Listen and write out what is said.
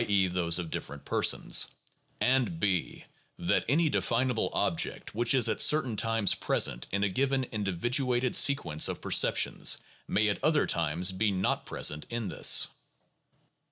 e., those of different persons), and (6) that any definable object which is at certain times present in a given individ uated sequence of perceptions may at other times be not present in this.